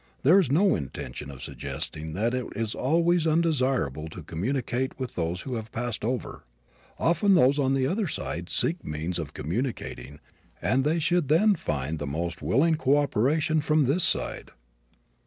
There is no intention of suggesting that it is always undesirable to communicate with those who have passed over. Often those on the other side seek means of communicating and they should then find the most willing co operation from this side.